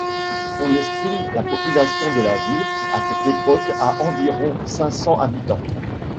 On estime la population de la ville à cette époque à environ cinq-cents habitants.